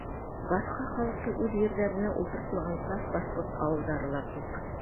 Башҡа халыҡты үҙ ерҙәренә ултыртмаған саф башҡорт ауылдары ла күп.